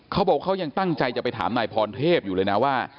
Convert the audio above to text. เขาบอกเขายังตั้งใจจะไปถามนายพรเทพอยู่เลยนะว่า